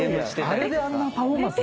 あれであんなパフォーマンス。